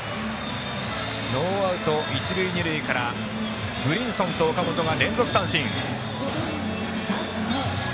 ノーアウト、一塁二塁からブリンソンと岡本が連続三振。